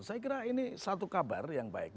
saya kira ini satu kabar yang baik